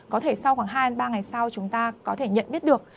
có thể sau khoảng hai ba ngày sau chúng ta có thể nhận biết được